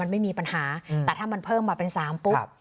มันไม่มีปัญหาอืมแต่ถ้ามันเพิ่มมาเป็นสามปุ๊บครับ